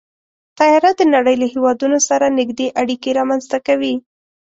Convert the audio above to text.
طیاره د نړۍ له هېوادونو سره نږدې اړیکې رامنځته کوي.